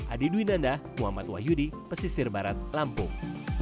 adi dwi nanda muhammad wahyudi pesisir barat lampung